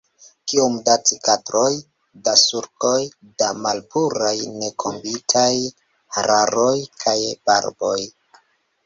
Kiom da cikatroj, da sulkoj, da malpuraj nekombitaj hararoj kaj barboj!